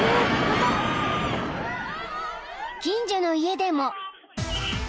・［近所の家でも］